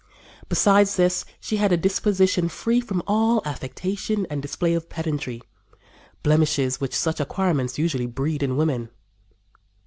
Besides this, she had a disposition free from all affectation and display of pedantry blemishes which such acquirements usually breed in women."